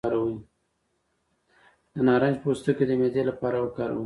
د نارنج پوستکی د معدې لپاره وکاروئ